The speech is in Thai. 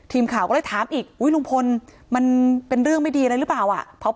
ทีมข่าวก็เลยถามอีกลุงพลมันเป็นเรื่องไม่ดีอะไรหรือเปล่าอ่ะ